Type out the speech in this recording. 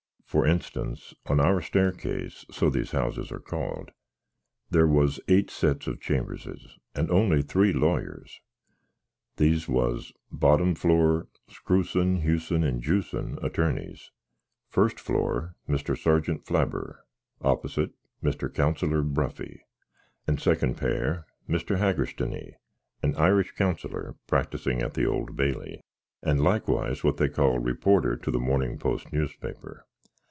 Frinstance, on our stairkis (so these houses are called), there was 8 sets of chamberses, and only 3 lawyers. These was, bottom floar, Screwson, Hewson, and Jewson, attorneys; fust floor, Mr. Sergeant Flabber opsite, Mr. Counslor Bruffy; and secknd pair, Mr. Haggerstony, an Irish counslor, pracktising at the Old Baly, and lickwise what they call reporter to the Morning Post nyouspapper.